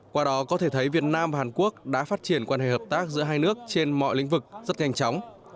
qua đó có thể thấy việt nam và hàn quốc đã phát triển quan hệ hợp tác giữa hai nước trên mọi lĩnh vực rất nhanh chóng